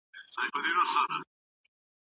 تاسو بايد له هر ډول فکري تعصب څخه ځان وساتئ.